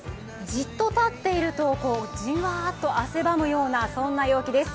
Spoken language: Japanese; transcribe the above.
じっと立っているとじわーっと汗ばむような陽気です。